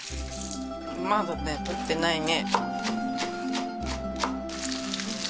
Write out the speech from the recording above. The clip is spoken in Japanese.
まだね取ってないね。